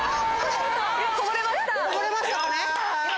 こぼれましたよね。